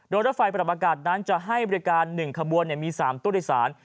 โดยรถไฟปรับอากาศนั้นจะให้บริการ๑ขบวนมี๓ตู้โดยสาร